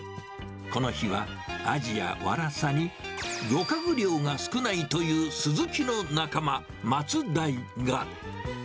この日はアジやワラサに漁獲量が少ないというスズキの仲間、マツダイが。